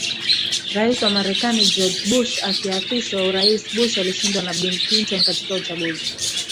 Rais wa Marekani George Bush akiapishwa uraisBush alishindwa na Bill Clinton katika uchaguzi